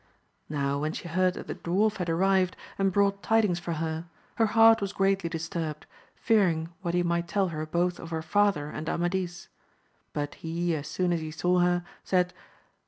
Now when she heard that the dwarf had arrived and brought tidings for her, her heart was greatly disturbed, fearing what he might tell her both of her father and Amadis ; but he, as soon as he saw her, said.